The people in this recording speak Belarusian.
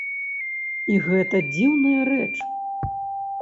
І гэта дзіўная рэч!